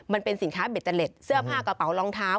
มันเป็นสินค้าเบตเตอร์เล็ตเสื้อผ้ากระเป๋ารองเท้า